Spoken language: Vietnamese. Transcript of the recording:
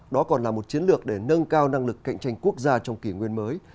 đó còn là một chiến lược để nâng cao năng lực cạnh tranh quốc gia trong kỷ nguyên mới